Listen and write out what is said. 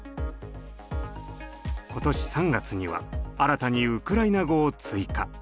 今年３月には新たにウクライナ語を追加。